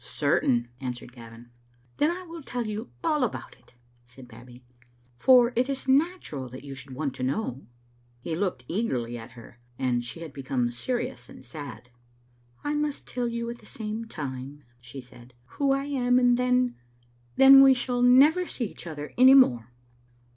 "Certain," answered Gavin. "Then I will tell you all about it," said Babbie, "for it is natural that you should want to know." He looked eagerly at her, and she had become serious and sad. " I must tell you at the same time," she said, "who I am, and then — then we shall never see each other any more."